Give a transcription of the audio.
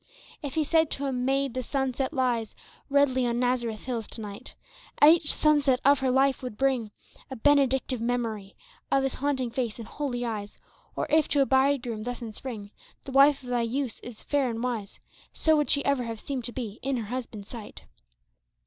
If he said to a maid, "The sunset lies Redly on Nazareth hills to night," Each sunset of her life would bring A benedictive memory Of his haunting face and holy eyes ; Or if to a bridegroom thus in spring, "The wife of thy youth is fair and wise," So would she ever have seemed to be In her husband's sight.